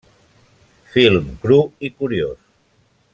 Film cru i curiós.